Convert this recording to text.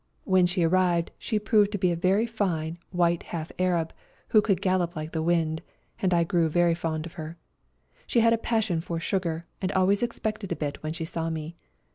When she arrived she proved to be a very fine white half Arab, who could gallop like the wind, and I grew very fond of her. She had a passion for sugar, and always expected a bit when she saw me.